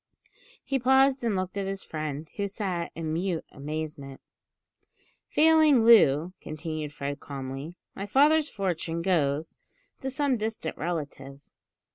He paused and looked at his friend, who sat in mute amazement. "Failing Loo," continued Fred calmly, "my father's fortune goes to some distant relative."